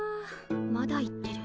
まだ言ってる。